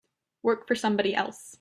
Work for somebody else.